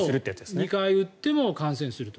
２回打っても感染すると。